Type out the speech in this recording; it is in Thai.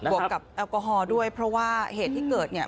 วกกับแอลกอฮอล์ด้วยเพราะว่าเหตุที่เกิดเนี่ย